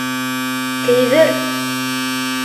Кейҙер.